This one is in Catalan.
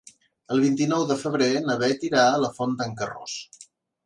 El vint-i-nou de febrer na Beth irà a la Font d'en Carròs.